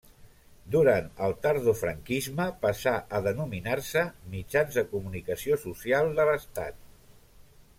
Durant el tardofranquisme passa a denominar-se Mitjans de Comunicació Social de l'Estat.